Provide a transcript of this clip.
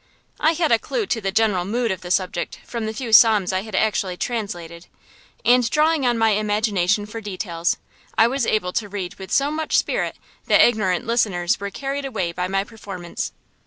I had a clue to the general mood of the subject from the few Psalms I had actually translated, and drawing on my imagination for details, I was able to read with so much spirit that ignorant listeners were carried away by my performance.